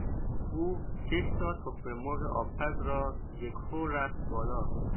او ششتا تخم مرغ آبپز را یکهو رفت بالا.